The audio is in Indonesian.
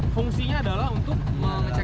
fungsinya adalah untuk mau ngecek apanya